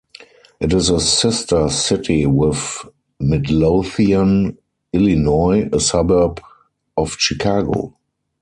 It is a sister city with Midlothian, Illinois, a suburb of Chicago.